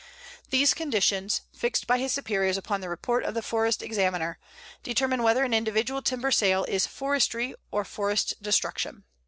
These conditions, fixed by his superiors upon the report of the Forest Examiner, determine whether an individual timber sale is forestry or forest destruction.